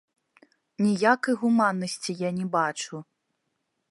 Ніякай гуманнасці я не бачу.